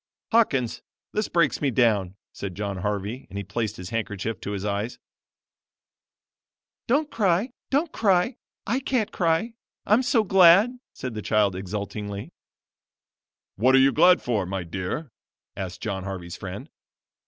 "Hawkins, this breaks me down," said John Harvey and he placed his handkerchief to his eyes. "Don't cry, don't cry; I can't cry, I'm so glad," said the child exultingly. "What are you glad for, my dear?" asked John Harvey's friend.